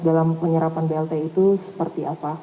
dalam penyerapan blt itu seperti apa